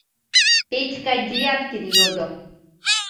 — Петька Девяткин йодо.